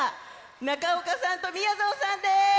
中岡さんとみやぞんさんです。